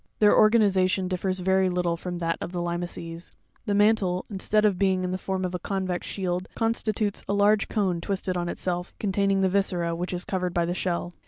— Their organization differs very little from that of the limaces ; the mantle, instead of being in the form of a coavex shield, constitutes a large cone twisted on itself, containing the viscera, which is covered by the shell (jig.